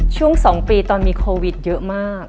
ช่วง๒ปีตอนมีโควิดเยอะมาก